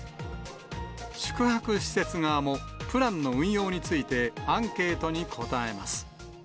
宿泊施設側もプランの運用についてアンケートに答えます。